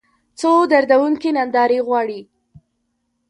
څو دردونکې نندارې غواړي